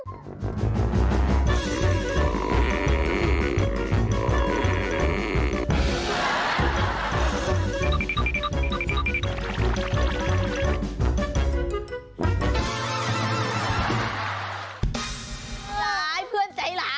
หลายเพื่อนใจหลา